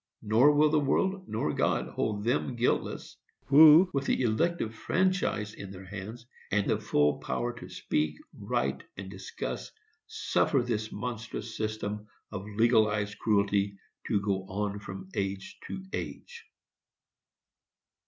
Nor will the world or God hold them guiltless who, with the elective franchise in their hands, and the full power to speak, write and discuss, suffer this monstrous system of legalized cruelty to go on from age to age.